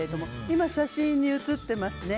今、写真に写っていますね